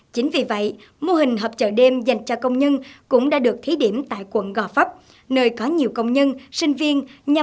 chính vì vậy mô hình hợp chợ đêm dành cho công nhân cũng đã được thí điểm tại quận gò vấp nơi có nhiều công nhân sinh viên